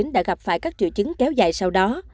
đã gặp phải các triệu chứng kéo dài sau đó